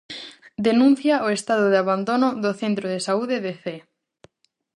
Denuncia o estado de abandono do centro de saúde de Cee.